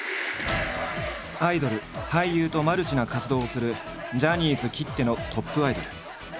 アイドル俳優とマルチな活動をするジャニーズきってのトップアイドル。